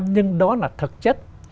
nhưng đó là thật chất